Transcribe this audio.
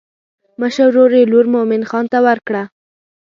مشر ورور یې لور مومن خان ته ورکړه.